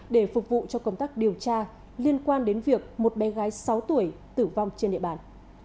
để phục vụ cho công tác điều tra liên quan đến việc một bé gái sáu tuổi tử vong trên địa bàn